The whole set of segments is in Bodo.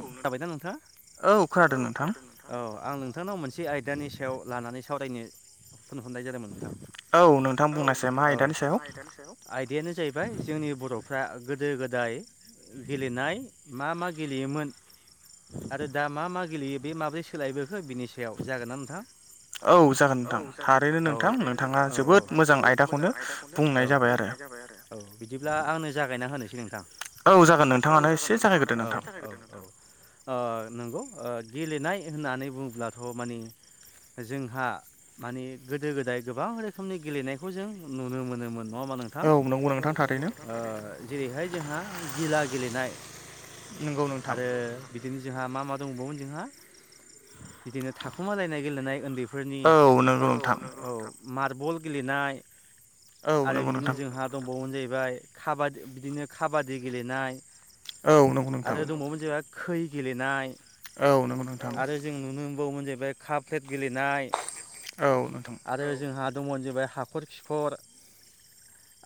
औ [unintelligible] नोंथाङा औ खोनादोंमोन नोंथां औ आं नोंथांनाव मोनसे आयदानि सायाव लानानै सावरायनो थोन हरनाय जादोंमोन नोंथां। औ नोंथां औ मा आयदानि सायाव आयदायानो जाहैबाय जोंनि बर' फ्रा गोदो गोदाय गेलेनाय मा मा गेलेयोमोन? आरो दा मा मा गेलेयो बे माब्रै सोलायबोखो बिनि सायाव जागोन नना नोंथां। औ जागोन नोंथां थारैनो नोंथां नोंथाङा जोबोद मोजां आयदाखौनो बुंनाय जाबाय आरो [unintelligible] बिदिब्ला आंनो जागायना होनोसै न औ जागोन नोंथाङानो एसे जागायग्रो नोंथां? औ ओ नंगौ गेलेनाय होननानै बुङोब्लाथ' मानि जोंहा माने गोदो गोदाय गोबां रोखोमनि गेलेनायखौ जों नुनो मोनोमोन। नङा होमा नोंथां औगौ जेरै'हाय जोंहा गिला गेलेनाय आरो बिदिनो जोंहा मा मा दंबावोमोन जोंहा बिदिनो थाखुमालायनाय गेलेनाय उन्दै फोरनि औ नंगौ नोंथां। औ मार्बल गेलेनाय आरो बिदिनो जोंहा दंबावनो जाहैबाय खाबादि बिदिनो खाबादि गेलेनाय। औ नं आरो दंबावोमोन जोंहा खै गेलेनाय आरो जों नुनो बोऔमोन जाहैबाय काप प्लेट गेलेनाय औ नोंथां। दङमोन जाहैबाय हाखर खिखर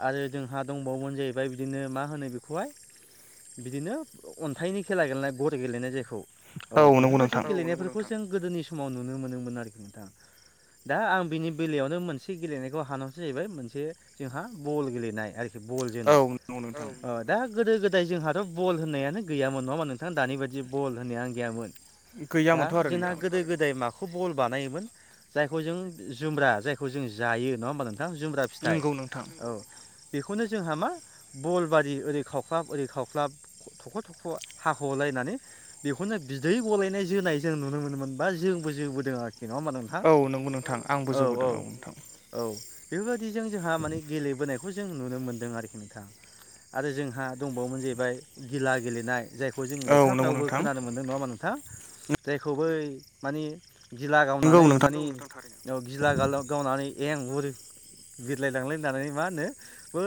आरो जोंहा दंबावोमोन जाहैबाय बिदिनो मा होनो बेखौहाय बिदिनो अन्थाइनि खेला गेलेनाय गर गेलेनाय जायखौ औ बेफोरबायदि गेलेनायफोरखौ जों गोदोनि समाव नुनो मोनोमोन आरोखि नोंथां। दा आं बिनि बेलायावनो मोनसे गेलेनायखौ हानहरसै जाहैबाय मोनसे जोंहा बल गेलेनाय आरोखि बल जोनाय दा गोदो गोदाय जोंहाथ' बल होननायानो गैयामोन नङामोन नोंथां दानि बायदि बल होन्नायानो गैयामोन दा जोंना गोदो गोदाय मा खौ बल बानायोमोन जायखौ जों जुमब्रा जायखौ जों जायो नङा होमबा नों नोंथां जुमब्रा फिथाइ औ बेखौनो जोंहा मा बलबारि ओरै खावख्लाब ओरै खावख्लाब थख' थख' हाख'लायनानै बेखौनो बिदै गलायनाय जोनाय जों नुनो मोनोमोन बा जोंबो जोबोदों आरोखि नङा होमबा नोंथां औ औ औ औ बेफोरबायदिजों जोंहा माने गेलेबोनायखौ बेखौ जों नुनो मोनदों आरोखि नोंथां आरो जोंहा दंबावोमोन जाहैबाय गिला गेलेनाय जाय खौ जों लेखाफ्रावबो खोनानो मोन्दों नंआ होनबा नोंथां जायखौ बै माने गिला गावनानै मानि गिला गाल गावनानै एं हरो । बिरलायलांलायनानै मा होनो बै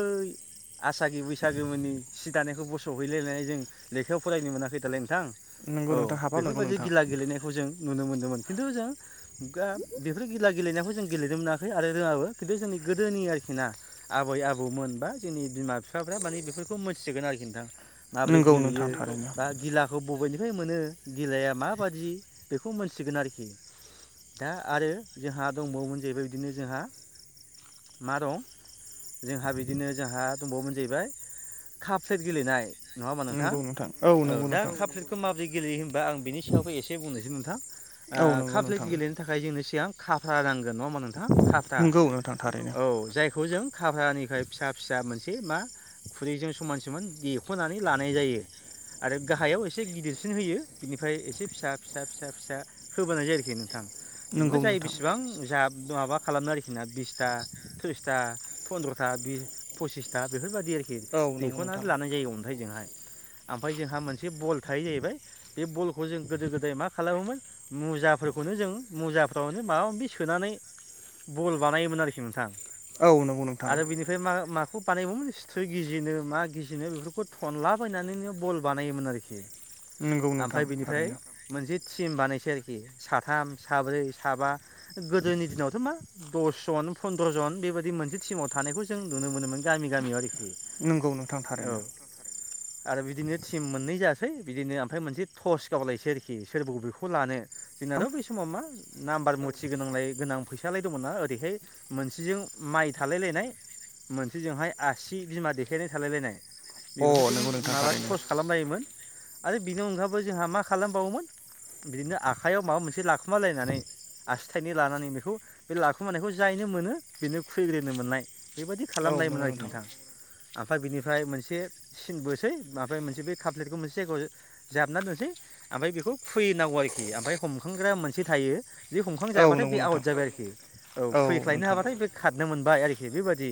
आसागि बैसागोमोननि सि दानायखौ बस'हैलायनानै जों। लेखायाव फरायनो मोनाखै दालाय नोंथां औ बेफोरबायदि गिला गेलेनायखौ जों नुनो मोनदोंमोन। खिन्थु जों गा बेफोर गिला गेलेनायखौ जों गेलेनो मोनाखै आरो रोङाबो खिन्थु जोंनि गोदोनि आरोखि। ना आबै आबौमोनबा जोंनि बिमा बिफाफ्रा मानि बेफोरखौ मोनथिगोन आरोखि नोंथां। माबोरै गेलेयो दा गिलाखौ बबेनि निफ्राय मोनो गिलाया माबादि बेखौ मोनथिगोन आरोखि। दा आरो जोंहा दंबावोमोन जाहैबाय बिदिनो जोंहा मा दं जोंहा बिदिनो जोंहा दंबावोमोन जाहैबाय काप सेेट गेलेनाय नङा नोंथां औ दा काप्लेटखौ माबोरै गेलेयो होनोमबा आं बिनि सायावहाय एसे बुंनोसै नोंथां ओ काप ल्लेट गेलेनो थाखाय जोंनो सिगां खाफ्रा नांगोन नङा होमबा नोंथां। खाफ्रा औ जायखौ जों खाब्रानिफ्राय फिसा फिसा मोनसे मा खुरैजों समान समान देख'नानै लानानै नाय जायो। आरो गाहायाव एसे गिदिरसिन होयो बिनिफ्राय एसे फिसा फिसा फिसा फिसा होबोनाय जायो आरोखि नों थां जेनेबा जाय बेसेबां जा माबा खालामनो आरोखि ना बिसथा थ्रिसथा फन्द्र'था बि फस्सिथा बेफोरबायदि। बिदि आरोखि देख'नानै लानाय जायो अन्थायजोंहाय ओमफ्राय जोंहा मोनसे बल थायो जाहैबाय बे बलखौ जों गोदो गोदाय मा खालामोमोन मुजाफोरखौ नो जों मुजाफ्रावनो माबा माबि सोनानै बल बानायोमोन आरोखि नोंथां। आरो बिनिफ्राय मा मा खौ बानायोमोन सिथ्रि गिजिनो मा गिजिनो बेफोरखौ थनलाबायनानैनो बल बानायोमोन आरोखि ओमफ्राय बिनिफ्राय मोनसे टिम बानायस आरोखि साथाम साब्रै साबा गोदोनि दिनावथ' मा दसजन फन्द्र'जन बेबायदि मोनसे टिमाव थानायखौ जों नुनो मोनोमोन गामि गामियाव आरोखि। नंगौ नोंथां थारैनो आरो बिदिनो टिम मोननै जायाखै बिदिनो ओमफ्राय मोनसे टर्स गावलायसै आरोखि सोर बबेखौ लानो जोंनाथ' बेै समाव मा नाम नाम्बार मुथि गोनांलाय गोनां फैसालाय दङना ओरैहाय मोनसेजों माइ थालायलायनाय मोनसेजोंहाय आसि बिमा देखायनाय थालायलायनाय बेफोरखौजों माबा खर्स खालामलायो मोन आरो बिनि अनगाबबो जोंहा मा खालामबावोमोन बिदिनो आखाइयाव माबा मोनसे लाखुमालायनानै आसि थाइनै लानानै बेखौ बे लाखुमानायखौ जायनो मोनो बेनो खुलिग्रोनो मोननाय बेबायदि खालामलायोमोन आरोखि नोंथां ओमफ्राय बिनिफ्राय मोनसे सिन बो ओमफ्राय मोनसे बे काप्लेटखौ मोनसे जायगायाव जाबना दोननोसै ओमफ्राय बेखौ खुबै नांगौ आरोखि ओमफ्राय हमखांग्रा मोनसे थायो। जि हमखां जाबाथाय बे आवट जाबाय आरोखि औ खुबिख्लायनो हाब्लाथाय बे खारनो मोन बाय आरोखि बेबादि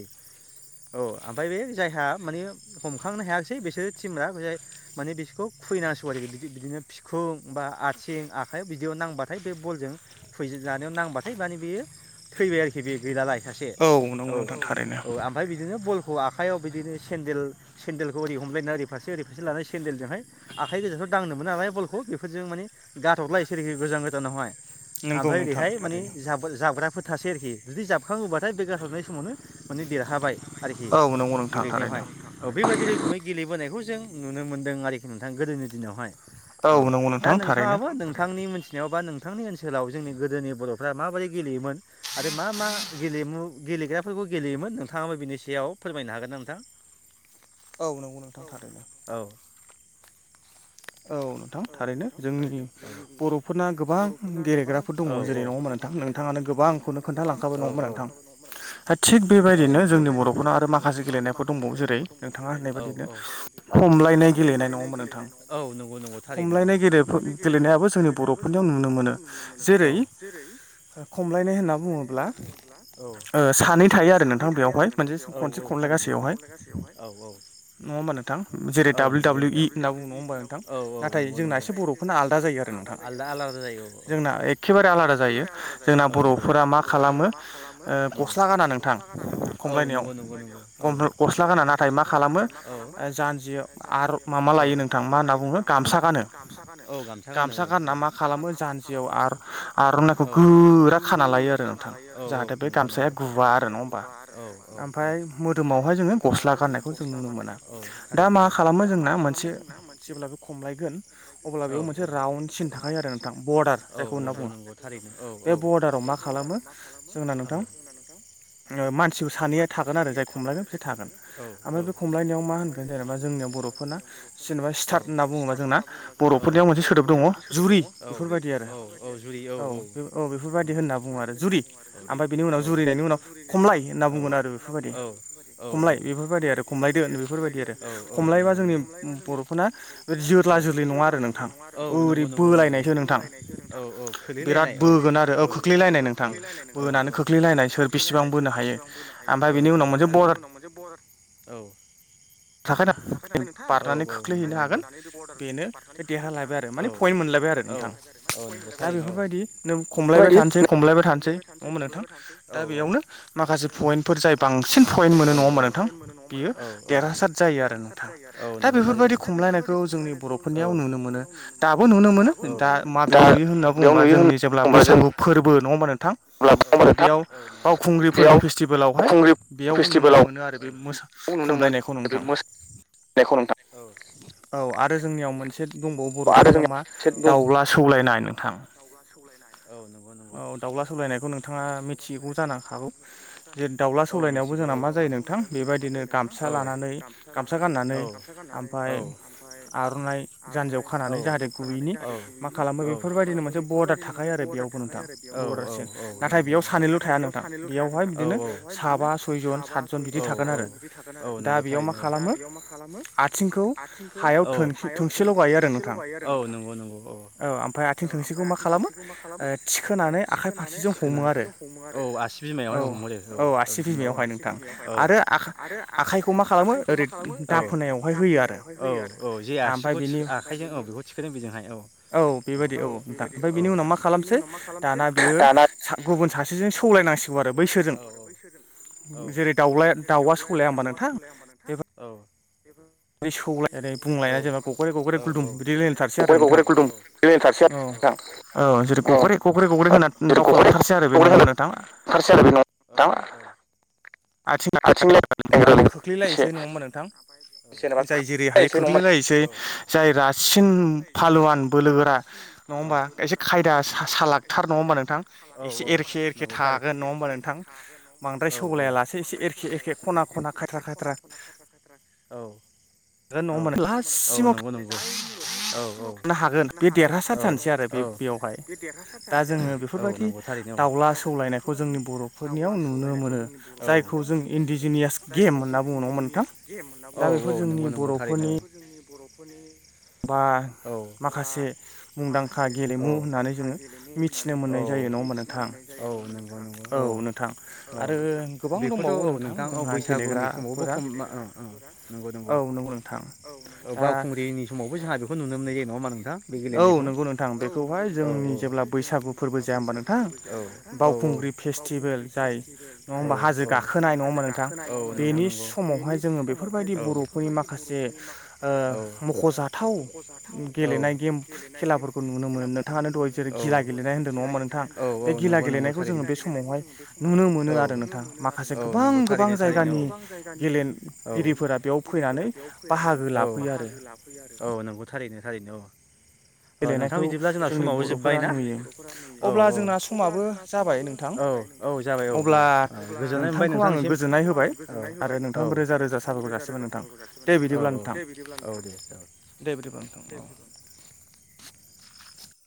औ ओमफ्राय बे जायहा माने हमखांनो हायासै बे बिसोर टिमा बेहाय माने बिसखौ खुबैनांसौ आरोखि बिदिनो फिखुं बा आथिं आखाइ बिदियाव नांबाथाय बे बलजों फुइ जानायाव नांबाथाय माने बेयो थैबाय आरोखि बे गैलालाय सासे औ औ आमफ्राय बिदिनो बलखौ आखायाव बिदिनोे सेनदेल-सेनदेलखौ हमलायना ओरै फारसे ओरै फारसे ला सेेन्देलजोंहाय आखाइ गोजाथ' दांनो मोन नालाय बलखौ बेफोरजों माने गारहर लाय यो गोजोन-गोजोनावहाय एमफ्य एरैहाय माने जाब-जाबग्राफोर थासै आरोखि जुदि जाबखांहोबाथाय बे गारहरनाय समावनो माने देरहाबाय आरोखि गेलेनायावहाय औ बेबायदिनो गेलेबोनायखौ जों नुनो मोन्दों आरोखि नोंथां गोदोनि दिनावहाय औ दा नोंथाङाबो नोंथांनि मोन यावबा नोंथांनि ओनसोलाव जोंनि गोदोनि बर'फ्रा माबायदि गेलेयोमोन आरो मा मा गेलेमु गेलेग्राफोरखौ गेलेयोमोन नोंथाङाबो बिनि सायाव फोरमायनो हागोन ना नोंथां औ नंगौ नोंथां थारैनो नोंथां थारैनो जोंनि बर'फोरना गोबां गेलेग्राफोर दङ जेरै नङाहोमबा नोंथां नोंथाङानो गोबांखौनो खोनथालांखाबाय नङाहोमबा नोंथां दा थिग बेबायदिनो जोंनि बर'फोराव आरो माखसे गेलेनाय दंबाव जेरै नोंथाङा होननाय बाददिनो खमलायनाय गेलेनाय नङा होमबा नोंथां थारैनो खमलायनाय गेले-गेलेनायाबो जोंनि बर'फोरनियाव नुनो मोनो औ जेरै खमलायनाय होनना बुङोब्ला ओ सानै थायो आरो नोंथां बेयावहाय मोनसे खनसे खमलाय औ औ नङा होमबा नों थां जेरै डाब्लिउ डाब्लिउ इ होनना बुंङो होमबा नोंथां। औ नंगौ नंगौ नाथाय जोंना एसे बर'फोरना आलदा-आलादा-आलादा जायो औ औ औ जोंना एखेबारे आलादा जायो। जोंना बर'फोरा मा खालामो गस्ला गाना नोंथां औ नंगौ नंगौ नगौ औ गस्ला गाना नाथाय मा खालामो जानजियो आरो मा मा लायो नोंथां मा होनना बुंङो गामसा गानो औ गामसा गानो औ गामसा गाननो मा खालामो जानजियाव आर'नाइखौ खाना लायो आरो नोंथां जाहाथे बे गामसाया गुआ आरो नङा होमबा ओमफ्राय मोदोमावहाय जों गसला गाननायखौ जों नुनो मोना दा मा खालामनो जोंना मोनसे औ औ बे मोनसे रावनसिन थाखायो आरो औ नंगौ नंगौ थारैनो औ औ बे बरडाराव मा खालामो जोंना नोंथां मानसिबो सानैया थागोन आरो जाय खमलायगोन बिसोर थागोन ओमफ्राय बे खमलायनायाव मा होनगोन जेनेबा जोंनियाव बर'फोरना जेनेबा स्टार्ट होन्ना बुंङो जोंना बर'फोरनियाव मोनसे सोदोब दंङ जुरि बेफोरबायदि आरो औ औ बेफोरबाय औ बेफोरबायदि होनना बुंङो आरो जुरि ओमफ्राय बिनि उनाव जुरिनायनि उनाव खमलाय बुंलाय होनना बुङो बेफोरबायदि खमलाय बेफोरबायदि आरो खमलाय दो बेफोरबायदि आरो खमलायबा जोंनि बर'फोरना औ बि जोला जोलि नंङा आरो औ औ नंगौ नंगौ बोला बोलिनायसो नोंथां खोलैलायनाय औ खोखलैलायनाय नोंथां बोनानै खोख्लैलायनाय सोर बिसेबां बोनो हायो ओमफ्राय बिनि उनाव मोनसे बर उनाव मोनसे बर औ थाखायोना बारनानै खोख्लैहैनो हागोन। बरदार बारनानै खोख्लैनो हागोन औ बे औ औनो औ खमलायबाय थानोसै खमलायबाय थानोसै औ औ दा बेयावनो माखासे औ पयन्ट मोनो नंङा होमबा नोंथां औ बियो जायो आरो नोंथां दा बेफोरबायदि खमलायनायखौ जोंनि बर'फोरनियाव नुनो मोनो दाबो नुनो मोनो माबयाव नुयो होननानै बुङोब जोंनि जेब्ला बैसागु फोरबो नङा हा नोंथां। [unintelligible] बेयाव बावखुंग्रि फोरबो फेस्टिभेलावहाय बेयाव नुनो मोनो आरो बे खमलायनायखौ नोंथां। [unintelligible] [inaudible] आरो जोंनियाव मोनसे दंबावो बर'फोरनियाव मा दावउला सौलायनाय नोंथां। दाउला सौलायनाय औ नंगौ नंगौ औ दावउगला सौलायनायखौ नोंथाङा मिथिगौ जानांगौ [unintelligible] दाउला सौलायनायावबो जोंना मा जायो नोंथां बेबायदिनो गामसा लानानै लानानै गामसा गाननानै ओमफ्राय आर'नाइ हान्जियाव खानानै [unintelligible] मा खालामो बेफोरबायदिनो मोनसे बरदार थाखायो आरो बेयावबो नोंथां बरदारसिन नाथाय बेयाव सानैल' थाया नोंथां बेयावहाय बिदिनो साबा सयजन सातजन बिदि थागोन आरो दा बेयाव माखासे खालामो आथिंखौ हायाव थोंसेल' गायो आरो नोंथां। औ आमफ्राय आथिं थोंसै बेखौ मा खालामो थिखोनानै आखाइ फारसेजों हमो आरो औ औ आसि बिमायावहाय नोंथां आरो आ आखाइखौ मा खालामो ओरै [unintelligible] औ बेबायदि औ नोंथां ओमफ्राय बिनि उनाव मा खालामसै दाना बियो गुबुन सासेजों सौलायनांसिगौ आरो बैसोरजों बैसोजों औ जेरै दाउआ सौलाया होमबा नोंथां औ ओमफ्राय गगेरेब गुलदुम [unintelligible] औ औ जेरै गग्रे गग्रे गग्रे होना दावखौ लांथारसै आरो बे नंङाहोनबा नोंथां। [unintelligible] आथिंङामा [unintelligible] नंङा होमबा नोंथां जाय जेरैहाय खोख्लैलायसै जाय रासिन फालुवान बोलोगोरा नंङा होमबा एसे खायदा सालागथार नंङा होमबा नोंथां एसे एरखे एरखे थागोन नंङा हबा नोंथां बांद्राय सौलाया लासे ओम एसे सौलाया लाससे एसे एरखे एरखे खना खना खायथ्रा खायथ्रा औ औ औ नंगौ नंगौ औ नो हागोन बे देरहासार जानोसै आरो बे बेयावहाय दा जोंङो बेफोरबायदि दाव दाउला सौलायनायखौ जोंनि बर'फोरनियाव नुनो मोनो जायखौ जों इन्डिजिनियास गेम होन्ना बुंङो। [unintelligible] होनना बुङो दा बेफोर जोंनि बर'फोरनि जोंनि बर'फोरनि बा माखासे मुंदांखा गेलेमु होननानै जोंङो मिथिनो मोननाय जायो। औ नंगौ नंगौ औ औ बेखौथ' औ नोंथां औ बैसागुनि समावबो खम नंगौ नंगौ बावखुंग्रिनि समावबोहा बेखौ नुनो मोननाय ना नोंथां। औ नंगौ नोंथां बेखौहाय जोंनि जेब्ला बैसागु फोरबो जाया हबा नोंथां बावखुंग्रि फेस्टिभेल जाय नंङा होनबा हाजो गाखोनाय नंङा होनबा नोंथां बेनि समावहाय जोंङो बे बेहाय ज बेफोरबायदि बर'फोरनि माखासे मख'जाथाव औ गेलेनाय गेम खेलाफोरखौ नुनो मोनो औ गघिला गेलेनाय औ औ नंगौ नंगौ थारैनो [unintelligible] बे समावहाय औ नुनो मोनो आरो औ नोंगौ थारैनो थारैनो औ जायगानि औ आरिफोरा बेयाव फैनानै औ बाहागो लाफैयो आरो औ नंगौ थारैनो थारैनो औ नोंथां बिदिब्ला जोंना समावबो जोब्बाय ना'फोरा औ औ अब्ला जोंना समाबो औ औ जाबाय औ औ औ गोजोननाय मोनबाय नोंथांनिसिम [unintelligible] [unintelligible] रोजा रोजा साब गासिबो नोंथां औ दे बिदिब्ला औ दे औ दे बिदिब्ला।